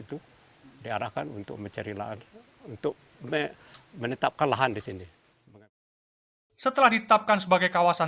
itu diarahkan untuk mencari lahan untuk menetapkan lahan di sini setelah ditetapkan sebagai kawasan